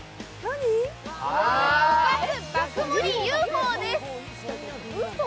おかず爆盛りＵ．Ｆ．Ｏです。